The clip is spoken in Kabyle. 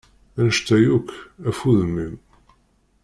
Annect-a yak, af udem-im!